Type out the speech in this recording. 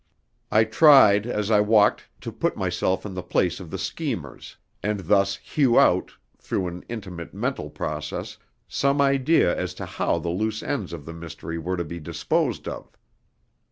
I tried as I walked to put myself in the place of the schemers, and thus hew out, through an intimate mental process, some idea as to how the loose ends of the mystery were to be disposed of.